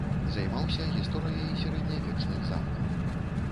Займаўся гісторыяй сярэднявечных замкаў.